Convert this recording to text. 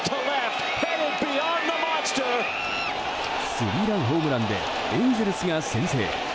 スリーランホームランでエンゼルスが先制。